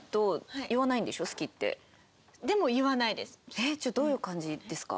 えっ？じゃあどういう感じですか？